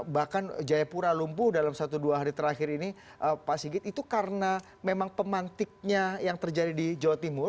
bahkan jayapura lumpuh dalam satu dua hari terakhir ini pak sigit itu karena memang pemantiknya yang terjadi di jawa timur